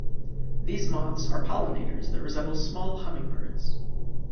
These moths are pollinators that resemble small hummingbirds.